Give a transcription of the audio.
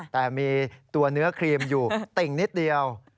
แต่มีตัวเนื้อครีมอยู่ติ่งนิดเดียว